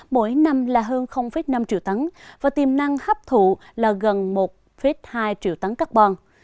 mỗi năm là hơn năm triệu tấn và tiềm năng hấp thụ là gần một hai triệu tấn carbon